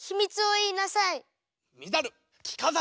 いいなさい！